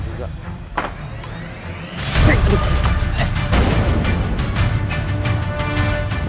jangan buang juga